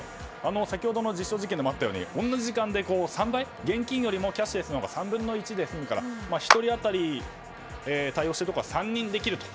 先ほどの実証実験でもあったように同じ時間で３倍、現金よりもキャッシュレスのほうが３分の１で済むから１人当たり対応しているところは３人できると。